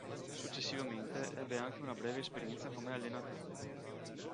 Successivamente, ebbe anche una breve esperienza come allenatore.